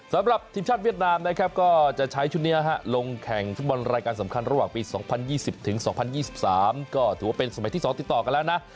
สำหรับทีมชาติเวียดนามนะครับก็จะใช้ชุดนี้ลงแข่งฟุตบอลรายการสำคัญระหว่างปี๒๐๒๐ถึง๒๐๒๓ก็ถือว่าเป็นสมัยที่๒ติดต่อกันแล้วนะ